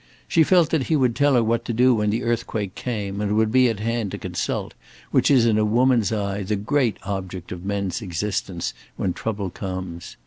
She felt that he would tell her what to do when the earthquake came, and would be at hand to consult, which is in a woman's eyes the great object of men's existence, when trouble comes.